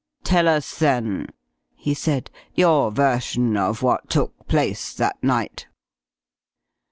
"Tell us, then," he said, "your version of what took place that night."